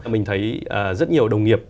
mình thấy rất nhiều đồng nghiệp